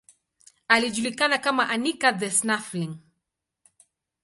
Alijulikana kama Anica the Snuffling.